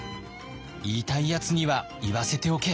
「言いたいやつには言わせておけ」。